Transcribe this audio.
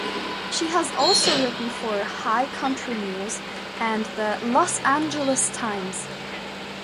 She has also written for "High Country News" and the "Los Angeles Times".